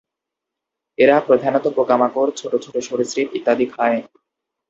এরা প্রধানত পোকামাকড়, ছোটো ছোটো সরীসৃপ ইত্যাদি খায়।